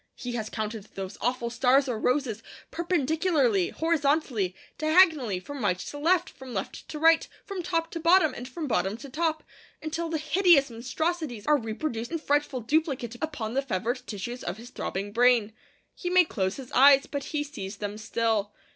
He has counted those awful stars or roses, perpendicularly, horizontally, diagonally, from right to left, from left to right, from top to bottom, and from bottom to top, until the hideous monstrosities are reproduced in frightful duplicate upon the fevered tissues of his throbbing brain. He may close his eyes, but he sees them still.